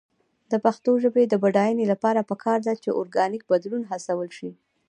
د پښتو ژبې د بډاینې لپاره پکار ده چې اورګانیک بدلون هڅول شي.